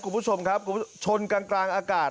กลุ่มผู้ชมครับชนกลางอากาศ